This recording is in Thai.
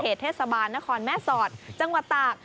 เทศบาลนครแม่สอดจังหวัดตาก